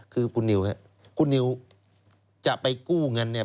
คือคุณนิวครับคุณนิวจะไปกู้เงินเนี่ย